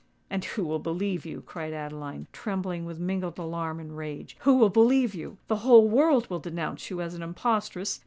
"And who will believe you?" cried Adeline, trembling with mingled alarm and rage: "who will believe you? The whole world will denounce you as an impostress.